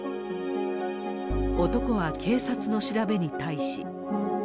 男は警察の調べに対し。